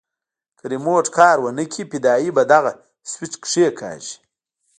که ريموټ کار ونه کړي فدايي به دغه سوېچ کښېکاږي.